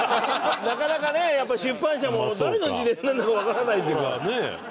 なかなかねやっぱ出版社も誰の自伝なんだかわからないというか。